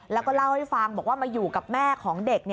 แล้วก็เล่าให้ฟังบอกว่ามาอยู่กับแม่ของเด็ก